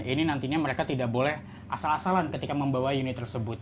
ini nantinya mereka tidak boleh asal asalan ketika membawa unit tersebut